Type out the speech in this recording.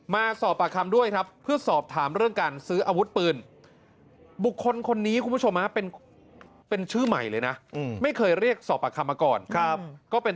มาสอบปากคำด้วยครับเพื่อสอบถามเรื่องการซื้ออาวุธปืน